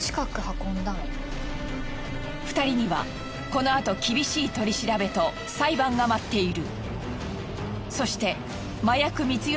２人にはこのあと厳しい取り調べと裁判が待っている。